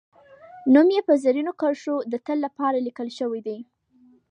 نوم یې په زرینو کرښو د تل لپاره لیکل شوی دی